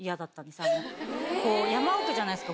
山奥じゃないですか